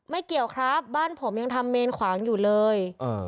เกี่ยวครับบ้านผมยังทำเมนขวางอยู่เลย